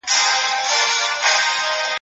خپل شته وسایل په ډیر احتیاط سره وکاروئ.